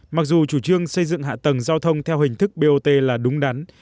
mặc dù chủ trương xây dựng hạ tầng giao thông theo hình thức bot là đúng đắn